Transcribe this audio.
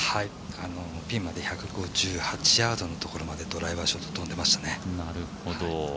ピンまで１５８ヤードのところまでドライバーショット飛んでましたね。